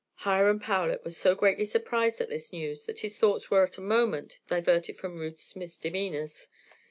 Hiram Powlett was so greatly surprised at this news that his thoughts were for a moment diverted from Ruth's misdemeanours.